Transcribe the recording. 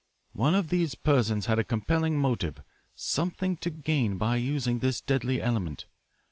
One of these persons had a compelling motive, something to gain by using this deadly element.